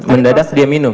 mendadak dia minum